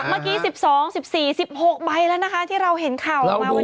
เมื่อกี้๑๒๑๔๑๖ใบแล้วนะคะที่เราเห็นข่าวออกมาวันนี้